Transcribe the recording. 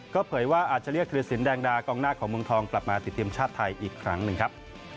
ก็เผยว่าอาจจะเรียกธิรสินแดงดากองหน้าของเมืองทองกลับมาติดทีมชาติไทยอีกครั้งหนึ่งครับ